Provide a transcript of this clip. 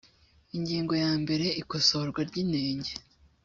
ingingo ya mbere ikosorwa ry inenge